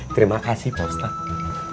terima kasih pak ustadz